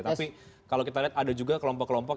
tapi kalau kita lihat ada juga kelompok kelompok